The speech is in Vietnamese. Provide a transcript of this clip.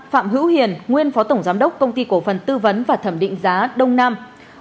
phạm hữu hiền nguyên phó tổng giám đốc công ty cổ phần tư vấn và thẩm định giá đông nam